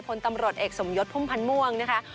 คนตำรวจเอกสมยศพุ่มพันธ์ม่วงนะคะ